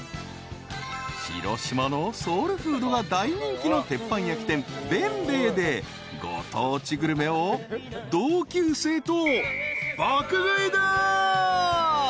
［広島のソウルフードが大人気の鉄板焼き店弁兵衛でご当地グルメを同級生と爆食いだ］